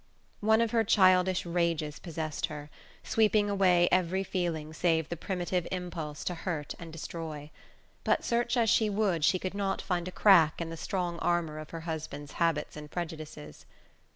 One of her childish rages possessed her, sweeping away every feeling save the primitive impulse to hurt and destroy; but search as she would she could not find a crack in the strong armour of her husband's habits and prejudices.